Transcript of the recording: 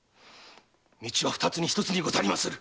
道は二つに一つでございまする！